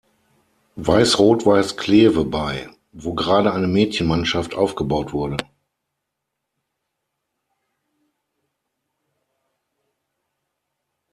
Weiß-Rot-Weiß Kleve bei, wo gerade eine Mädchenmannschaft aufgebaut wurde.